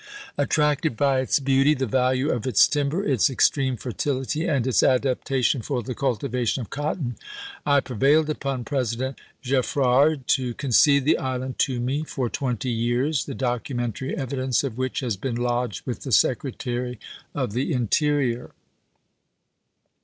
Attracted by its beauty, the value of its timber, its ex treme fertility, and its adaptation for the cultivation of cotton, I prevailed upon President Geffrard to concede the island to me for twenty years, the documentary evi dence of which has been lodged with the Secretary of the Interior.